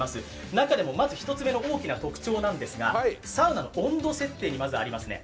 中でもまず１つ目の大きな特徴なんですがサウナの温度設定にまずありますね。